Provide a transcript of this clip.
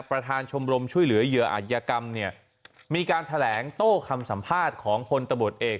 ประธานชมรมช่วยเหลือเหยื่ออาจยกรรมเนี่ยมีการแถลงโต้คำสัมภาษณ์ของพลตำรวจเอก